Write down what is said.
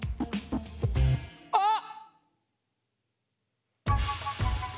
あっ！